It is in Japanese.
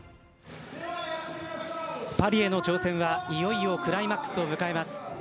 パリへの挑戦はいよいよクライマックスを迎えます。